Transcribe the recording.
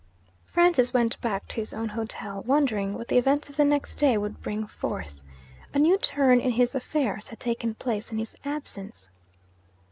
Francis went back to his own hotel, wondering what the events of the next day would bring forth. A new turn in his affairs had taken place in his absence.